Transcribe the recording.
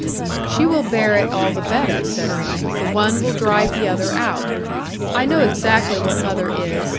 'She will bear it all the better,' said I; 'the one will drive the other out. I know exactly what mother is.